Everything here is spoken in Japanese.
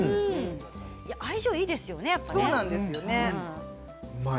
相性がいいですよね。